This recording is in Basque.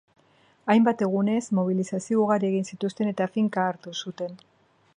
Hainbat egunez mobilizazio ugari egin zituzten eta finka hartu zuten.